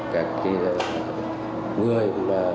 các cái người